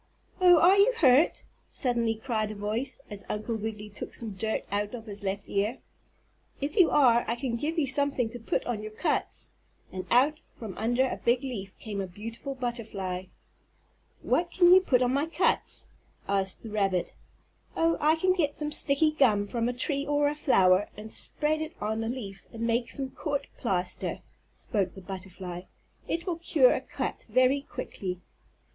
"Oh, are you hurt?" suddenly cried a voice, as Uncle Wiggily took some dirt out of his left ear. "If you are I can give you something to put on your cuts," and out from under a big leaf came a beautiful butterfly. "What can you put on my cuts?" asked the rabbit. "Oh, I can get some sticky gum from a tree or a flower and spread it on a leaf and make some court plaster," spoke the butterfly. "It will cure a cut very quickly."